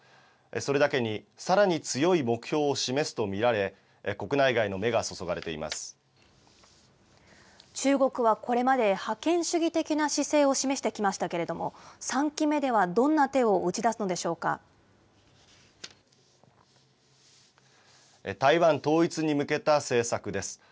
それだけに、さらに強い目標を示すと見られ、国内中国はこれまで、覇権主義的な思想を示してきましたけれども、３期目ではどんな手を打ち出すの台湾統一に向けた政策です。